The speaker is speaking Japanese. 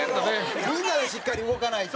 蛍原：みんなでしっかり動かないと。